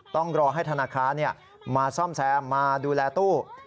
ต้องรอให้ธนาคารมาซ่อมแซมมาดูแลตู้